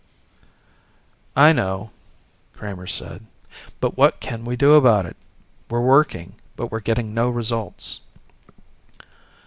"I know," Kramer said, "but what can we do about it. We're working but we're getting no results."